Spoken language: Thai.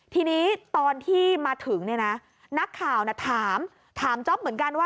ทีนี้ตอนที่มาถึงเนี่ยนะนักข่าวถามถามจ๊อปเหมือนกันว่า